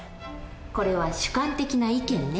これは主観的な意見ね。